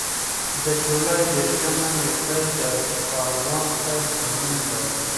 د جولای دېرشمه نېټه د کاروان صیب په نوم ده.